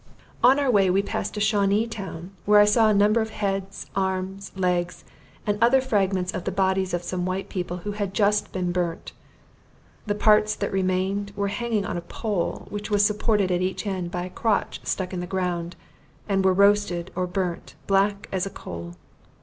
On our way we passed a Shawanee town, where I saw a number of heads, arms, legs, and other fragments of the bodies of some white people who had just been burnt. The parts that remained were hanging on a pole which was supported at each end by a crotch stuck in the ground, and were roasted or burnt black as a coal.